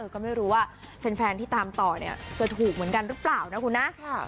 ก็ไม่รู้ว่าแฟนที่ตามต่อเนี่ยจะถูกเหมือนกันหรือเปล่านะคุณนะ